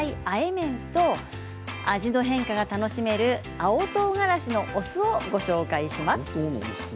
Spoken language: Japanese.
麺と味の変化が楽しめる青とうがらしのお酢をご紹介します。